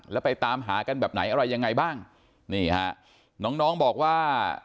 แล้วไปตามหากันแบบไหนอะไรยังไงบ้างนี่ฮะน้องน้องบอกว่า